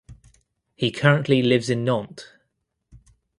He currently lives in Nantes.